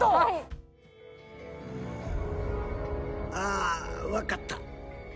「あ分かった」